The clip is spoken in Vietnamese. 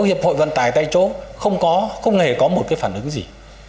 hiệp hội vận tài tại chỗ không có không hề có một cái phản ứng gì